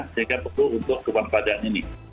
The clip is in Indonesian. sehingga perlu untuk kewaspadaan ini